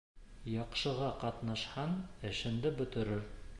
Яҡшыға ҡатнашһаң, эшеңде бөтөрөр.